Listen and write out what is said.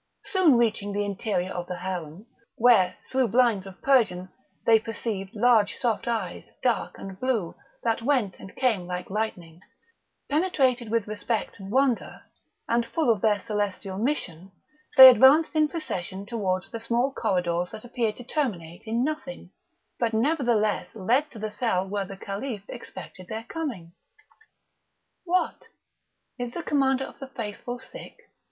Soon reaching the interior of the harem (where, through blinds of Persian, they perceived large soft eyes, dark and blue, that went and came like lightning), penetrated with respect and wonder, and full of their celestial mission, they advanced in procession towards the small corridors that appeared to terminate in nothing, but nevertheless led to the cell where the Caliph expected their coming. "What! is the Commander of the Faithful sick?"